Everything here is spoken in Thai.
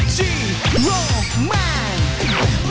จีโรแมนแอนด์แฟมิลี่